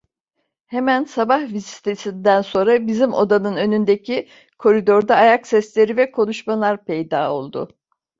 Hemen sabah vizitesinden sonra bizim odanın önündeki koridorda ayak sesleri ve konuşmalar peyda oldu.